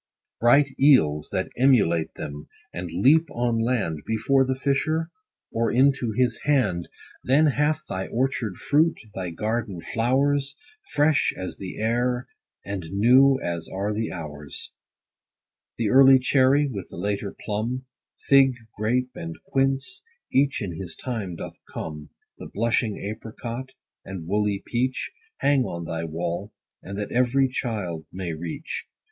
Bright eels that emulate them, and leap on land, Before the fisher, or into his hand, Then hath thy orchard fruit, thy garden flowers, Fresh as the air, and new as are the hours. 40 The early cherry, with the later plum, Fig, grape, and quince, each in his time doth come : The blushing apricot, and woolly peach Hang on thy walls, that every child may reach.